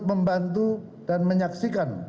arruan urusan meliti discussi punya masa